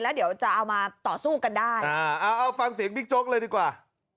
แล้วเดี๋ยวจะเอามาต่อสู้กันได้อ่าเอาฟังเสียงบิ๊กโจ๊กเลยดีกว่า